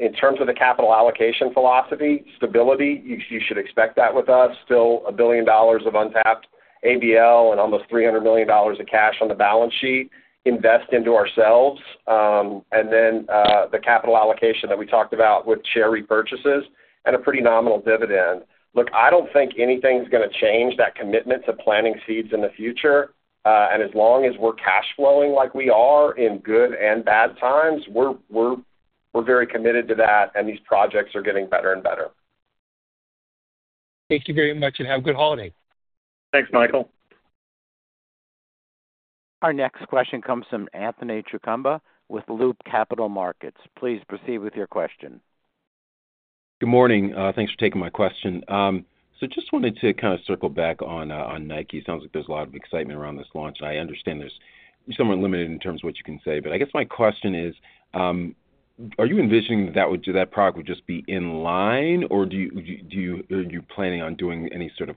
In terms of the capital allocation philosophy, stability, you should expect that with us. Still $1 billion of untapped ABL and almost $300 million of cash on the balance sheet, invest into ourselves, and then the capital allocation that we talked about with share repurchases and a pretty nominal dividend. Look, I don't think anything's going to change that commitment to planting seeds in the future. And as long as we're cash flowing like we are in good and bad times, we're very committed to that, and these projects are getting better and better. Thank you very much, and have a good holiday. Thanks, Michael. Our next question comes from Anthony Chukumba with Loop Capital Markets. Please proceed with your question. Good morning. Thanks for taking my question. So just wanted to kind of circle back on Nike. It sounds like there's a lot of excitement around this launch. I understand there's somewhat limited in terms of what you can say, but I guess my question is, are you envisioning that that product would just be in line, or are you planning on doing any sort of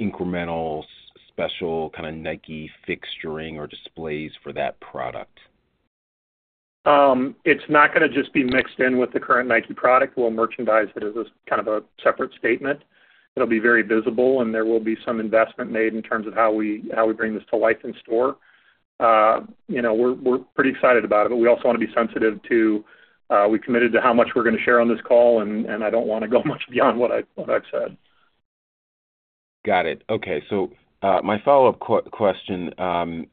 incremental special kind of Nike fixturing or displays for that product? It's not going to just be mixed in with the current Nike product. We'll merchandise it as kind of a separate statement. It'll be very visible, and there will be some investment made in terms of how we bring this to life in store. We're pretty excited about it, but we also want to be sensitive to we committed to how much we're going to share on this call, and I don't want to go much beyond what I've said. Got it. Okay. So my follow-up question,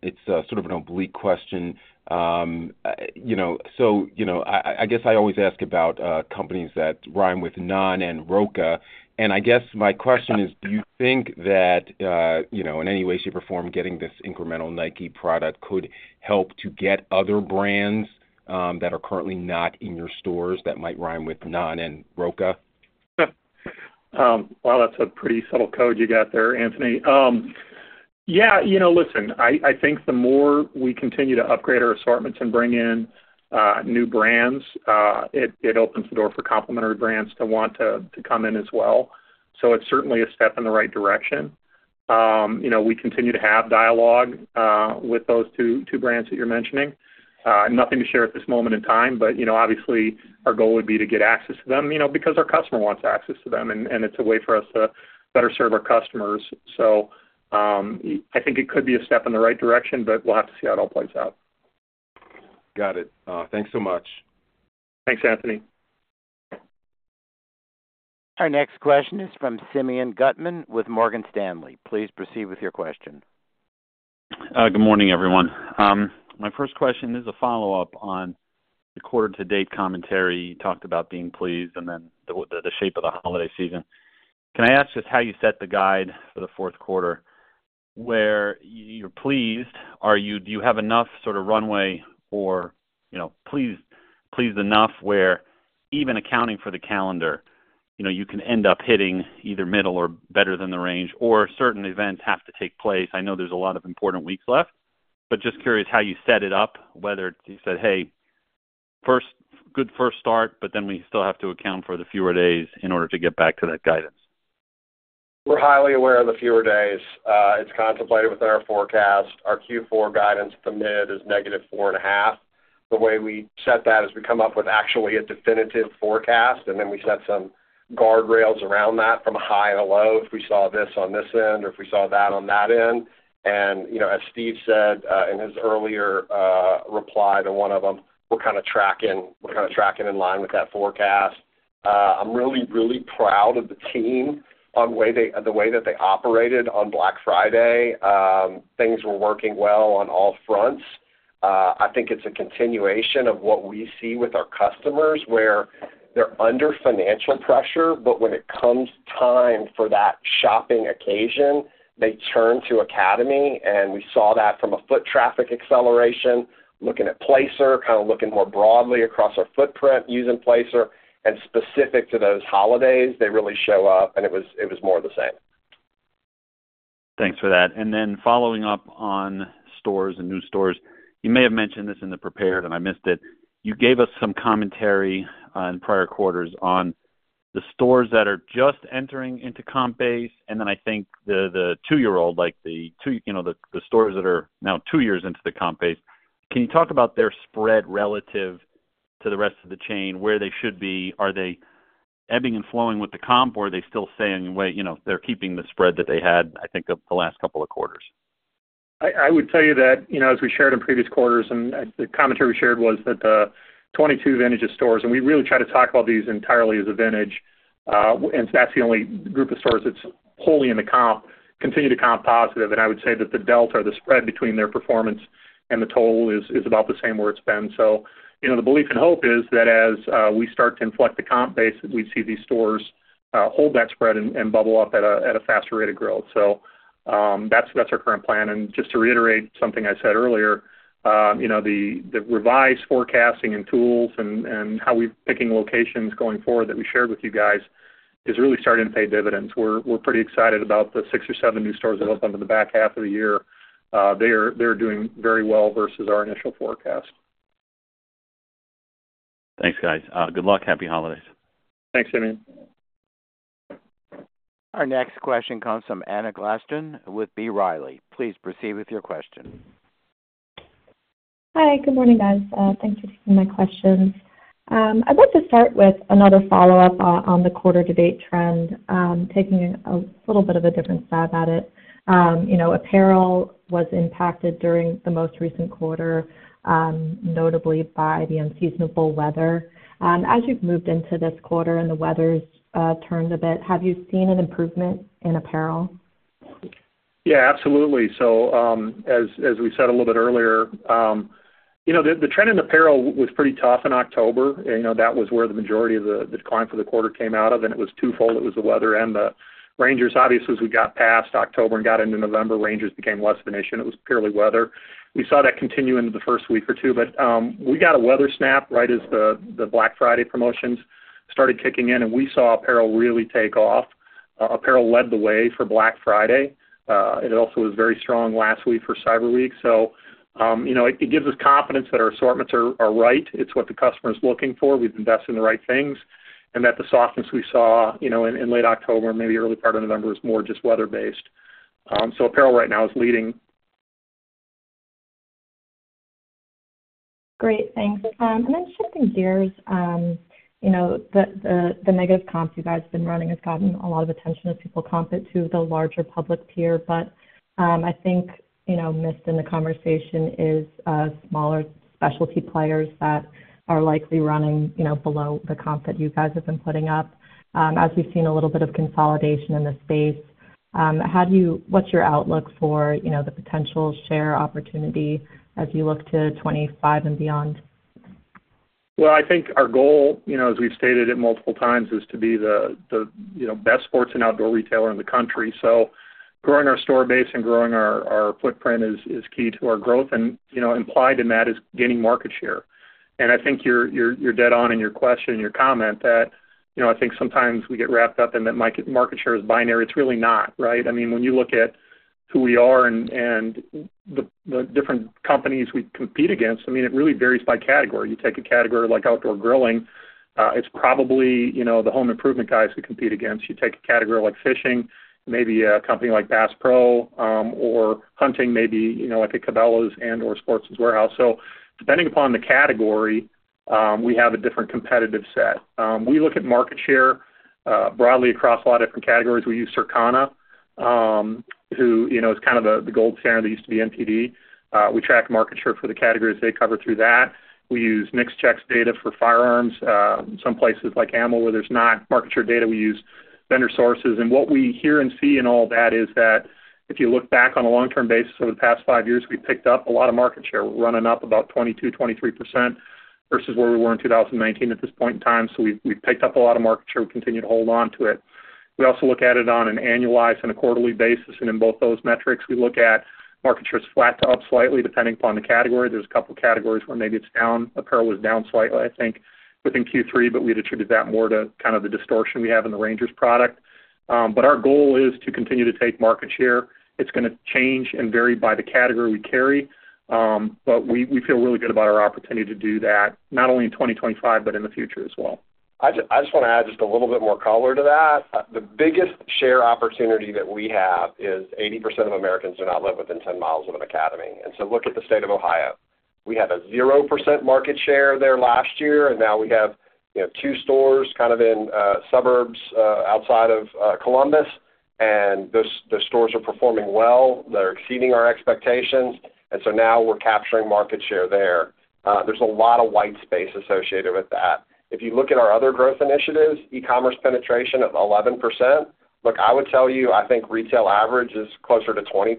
it's sort of an oblique question. So, I guess I always ask about companies that rhyme with Nunn and Roka. And I guess my question is, do you think that in any way, shape, or form, getting this incremental Nike product could help to get other brands that are currently not in your stores that might rhyme with Nunn and Roka? Well, that's a pretty subtle code you got there, Anthony. Listen, I think the more we continue to upgrade our assortments and bring in new brands, it opens the door for complementary brands to want to come in as well. So it's certainly a step in the right direction. We continue to have dialogue with those two brands that you're mentioning. Nothing to share at this moment in time, but obviously, our goal would be to get access to them because our customer wants access to them, and it's a way for us to better serve our customers. So I think it could be a step in the right direction, but we'll have to see how it all plays out. Got it. Thanks so much. Thanks, Anthony. Our next question is from Simeon Gutman with Morgan Stanley. Please proceed with your question. Good morning, everyone. My first question is a follow-up on the quarter-to-date commentary. You talked about being pleased and then the shape of the holiday season. Can I ask just how you set the guide for the Q4 where you're pleased? Do you have enough sort of runway or pleased enough where even accounting for the calendar, you can end up hitting either middle or better than the range, or certain events have to take place? I know there's a lot of important weeks left, but just curious how you set it up, whether you said, "Hey, good first start," but then we still have to account for the fewer days in order to get back to that guidance. We're highly aware of the fewer days. It's contemplated within our forecast. Our Q4 guidance at the mid is -4.5%. The way we set that is we come up with actually a definitive forecast, and then we set some guardrails around that from a high and a low if we saw this on this end or if we saw that on that end. And as Steve said in his earlier reply to one of them, we're kind of tracking in line with that forecast. I'm really, really proud of the team on the way that they operated on Black Friday. Things were working well on all fronts. I think it's a continuation of what we see with our customers where they're under financial pressure, but when it comes time for that shopping occasion, they turn to Academy. And we saw that from a foot traffic acceleration, looking at Placer, kind of looking more broadly across our footprint using Placer. And specific to those holidays, they really show up, and it was more of the same. Thanks for that. And then following up on stores and new stores, you may have mentioned this in the prepared, and I missed it. You gave us some commentary in prior quarters on the stores that are just entering into comp base, and then I think the two-year-old, like the stores that are now two years into the comp base. Can you talk about their spread relative to the rest of the chain, where they should be? Are they ebbing and flowing with the comp, or are they still saying they're keeping the spread that they had, I think, of the last couple of quarters? I would tell you that, as we shared in previous quarters, and the commentary we shared was that the 22 vintage stores, and we really try to talk about these entirely as a vintage, and that's the only group of stores that's wholly in the comp, continue to comp positive. And I would say that the delta or the spread between their performance and the total is about the same where it's been. So the belief and hope is that as we start to inflect the comp base, we see these stores hold that spread and bubble up at a faster rate of growth. So that's our current plan. And just to reiterate something I said earlier, the revised forecasting and tools and how we're picking locations going forward that we shared with you guys is really starting to pay dividends. We're pretty excited about the six or seven new stores that opened in the back half of the year. They're doing very well versus our initial forecast. Thanks, guys. Good luck. Happy holidays. Thanks, Simeon. Our next question comes from Anna Glaessgen with B. Riley. Please proceed with your question. Hi. Good morning, guys. Thanks for taking my questions. I'd like to start with another follow-up on the quarter-to-date trend, taking a little bit of a different stab at it. Apparel was impacted during the most recent quarter, notably by the unseasonable weather. As you've moved into this quarter and the weather's turned a bit, have you seen an improvement in apparel? Absolutely. So as we said a little bit earlier, the trend in apparel was pretty tough in October. That was where the majority of the decline for the quarter came out of, and it was twofold. It was the weather and the Rangers. Obviously, as we got past October and got into November, Rangers became less of an issue, and it was purely weather. We saw that continue into the first week or two, but we got a weather snap right as the Black Friday promotions started kicking in, and we saw apparel really take off. Apparel led the way for Black Friday. It also was very strong last week for Cyber Week. So it gives us confidence that our assortments are right. It's what the customer is looking for. We've invested in the right things, and that the softness we saw in late October, maybe early part of November, is more just weather-based. So apparel right now is leading. Great. Thanks, and then shifting gears, the negative comps you guys have been running has gotten a lot of attention as people comp it to the larger public tier. But I think missed in the conversation is smaller specialty players that are likely running below the comp that you guys have been putting up. As we've seen a little bit of consolidation in the space, what's your outlook for the potential share opportunity as you look to 2025 and beyond? Well, I think our goal, as we've stated it multiple times, is to be the best sports and outdoor retailer in the country. So growing our store base and growing our footprint is key to our growth, and implied in that is gaining market share. And I think you're dead on in your question and your comment that I think sometimes we get wrapped up in that market share is binary. It's really not, right? I mean, when you look at who we are and the different companies we compete against, I mean, it really varies by category. You take a category like outdoor grilling, it's probably the home improvement guys who compete against. You take a category like fishing, maybe a company like Bass Pro, or hunting, maybe like a Cabela's and/or Sportsman's Warehouse. So depending upon the category, we have a different competitive set. We look at market share broadly across a lot of different categories. We use Circana, who is kind of the gold standard that used to be NPD. We track market share for the categories they cover through that. We use NICS data for firearms. Some places like ammo, where there's not market share data, we use vendor sources, and what we hear and see in all that is that if you look back on a long-term basis over the past five years, we picked up a lot of market share. We're running up about 22%-23% versus where we were in 2019 at this point in time, so we've picked up a lot of market share. We continue to hold on to it. We also look at it on an annualized and a quarterly basis. And in both those metrics, we look at market shares flat to up slightly depending upon the category. There's a couple of categories where maybe it's down. Apparel was down slightly, I think, within Q3, but we attributed that more to kind of the distortion we have in the Rangers product. But our goal is to continue to take market share. It's going to change and vary by the category we carry, but we feel really good about our opportunity to do that, not only in 2025, but in the future as well. I just want to add just a little bit more color to that. The biggest share opportunity that we have is 80% of Americans do not live within 10 miles of an Academy. And so look at the state of Ohio. We had a 0% market share there last year, and now we have two stores kind of in suburbs outside of Columbus, and those stores are performing well. They're exceeding our expectations, and so now we're capturing market share there. There's a lot of white space associated with that. If you look at our other growth initiatives, e-commerce penetration of 11%. Look, I would tell you, I think retail average is closer to 20%,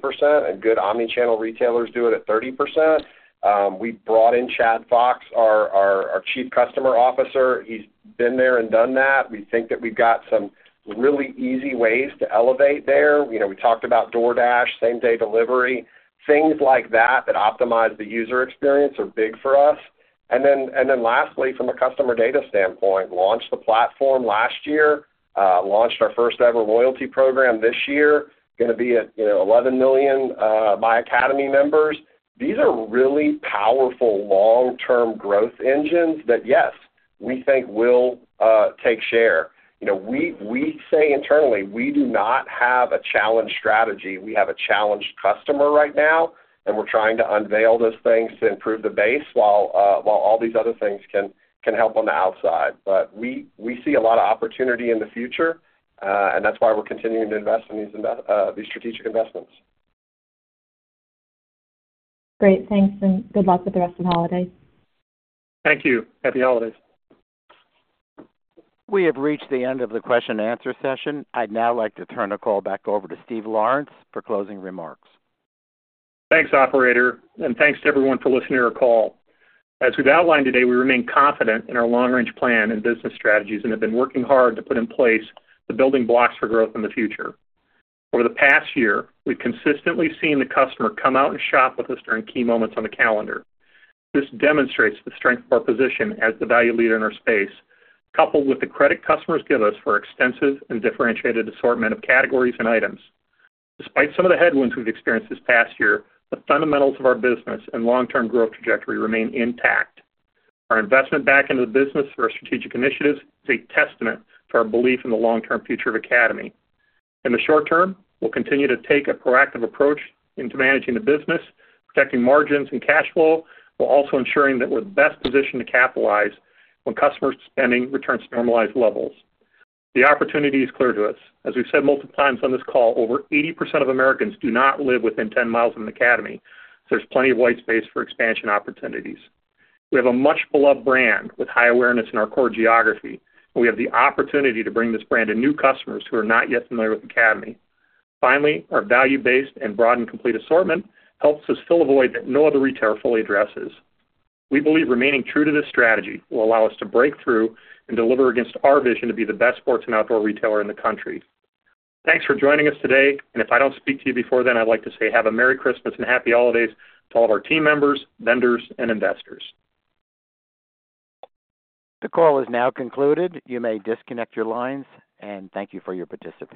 and good omnichannel retailers do it at 30%. We brought in Chad Fox, our Chief Customer Officer. He's been there and done that. We think that we've got some really easy ways to elevate there. We talked about DoorDash, same-day delivery, things like that that optimize the user experience are big for us, and then lastly, from a customer data standpoint, launched the platform last year, launched our first-ever loyalty program this year. Going to be at 11 million myAcademy members. These are really powerful long-term growth engines that, yes, we think will take share. We say internally, we do not have a challenged strategy. We have a challenged customer right now, and we're trying to unveil those things to improve the base while all these other things can help on the outside. But we see a lot of opportunity in the future, and that's why we're continuing to invest in these strategic investments. Great. Thanks, and good luck with the rest of the holidays. Thank you. Happy holidays. We have reached the end of the Q&A session. I'd now like to turn the call back over to Steve Lawrence for closing remarks. Thanks, operator, and thanks to everyone for listening to our call. As we've outlined today, we remain confident in our long-range plan and business strategies and have been working hard to put in place the building blocks for growth in the future. Over the past year, we've consistently seen the customer come out and shop with us during key moments on the calendar. This demonstrates the strength of our position as the value leader in our space, coupled with the credit customers give us for extensive and differentiated assortment of categories and items. Despite some of the headwinds we've experienced this past year, the fundamentals of our business and long-term growth trajectory remain intact. Our investment back into the business for our strategic initiatives is a testament to our belief in the long-term future of Academy. In the short term, we'll continue to take a proactive approach into managing the business, protecting margins and cash flow, while also ensuring that we're best positioned to capitalize when customer spending returns to normalized levels. The opportunity is clear to us. As we've said multiple times on this call, over 80% of Americans do not live within 10 miles of an Academy, so there's plenty of white space for expansion opportunities. We have a much-beloved brand with high awareness in our core geography, and we have the opportunity to bring this brand to new customers who are not yet familiar with Academy. Finally, our value-based and broad and complete assortment helps us fill a void that no other retailer fully addresses. We believe remaining true to this strategy will allow us to break through and deliver against our vision to be the best sports and outdoor retailer in the country. Thanks for joining us today, and if I don't speak to you before then, I'd like to say, have a Merry Christmas and Happy Holidays to all of our team members, vendors, and investors. The call is now concluded. You may disconnect your lines, and thank you for your participation.